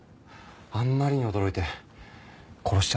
あまりに驚いて殺しちゃった。